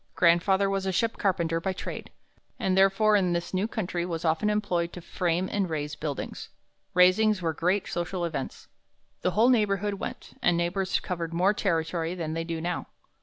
"Grandfather was a ship carpenter by trade, and therefore in this new country was often employed to frame and raise buildings. Raisings were great social events. The whole neighborhood went, and neighbors covered more territory than they do now.